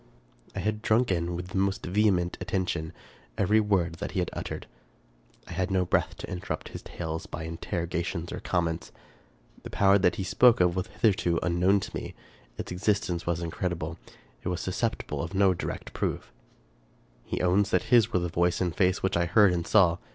I had drunk in, with the most vehement attention, every word that he had uttered. I had no breath to interrupt his tale by interrogations or comments. The power that he spoke of was hitherto unknown to me; its existence was incredible ; it was susceptible of no direct proof. He owns that his were the voice and face which I heard and saw.